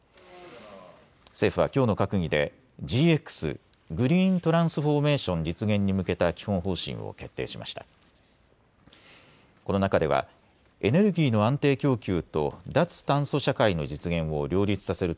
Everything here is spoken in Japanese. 政府はきょうの閣議でＧＸ・グリーントランスフォーメーション実現に向けた基本方針を決定しました。